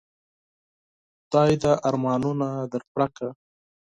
خدای دي ارمانونه در پوره کړه .